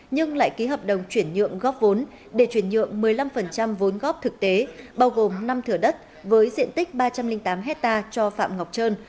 nhưng lại ký hợp đồng chuyển nhượng góp vốn để chuyển nhượng một mươi năm vốn góp thực tế bao gồm năm thửa đất với diện tích ba trăm linh tám hectare cho phạm ngọc trơn